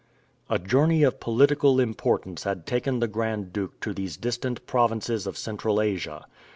A journey of political importance had taken the Grand Duke to these distant provinces of Central Asia.